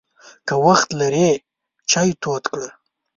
که وخت لرې، چای تود کړه!